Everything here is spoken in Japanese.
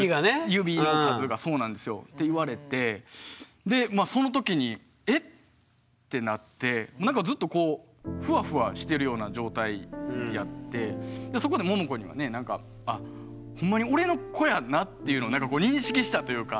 指の数がそうなんですよ。って言われてでまあその時に「え？」ってなってなんかずっとこうふわふわしてるような状態やってそこでももこにはねなんかっていうのなんかこう認識したというか。